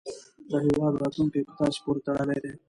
د هیواد راتلونکی په تاسې پورې تړلی دی.